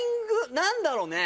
何だろうね？